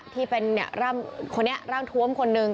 ที่เป็นคนนี้ร่างทวมคนหนึ่ง